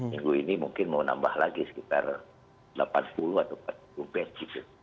minggu ini mungkin mau nambah lagi sekitar delapan puluh atau empat puluh bed gitu